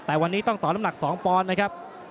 แต่วันนี้ต้องต่อน้ำหนัก๒ปอนด์นะครับ